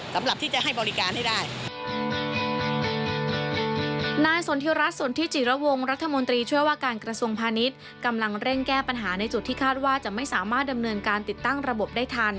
สำหรับที่จะให้บริการให้ได้ทัน